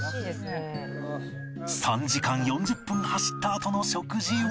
３時間４０分走ったあとの食事は